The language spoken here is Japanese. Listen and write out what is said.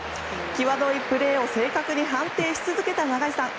際どいプレーを正確に判定し続けた長井さん。